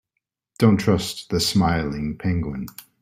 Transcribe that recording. Don't trust the smiling penguin.